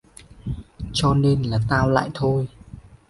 cho nên là tao lại thôi